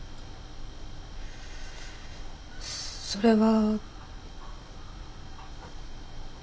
それは。